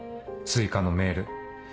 追加のメール。